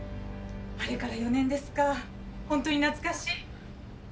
あれから４年ですかホントに懐かしい。